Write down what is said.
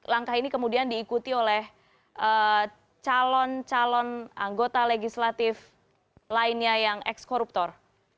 langkah ini kemudian diikuti oleh calon calon anggota legislatif lainnya yang ex koruptor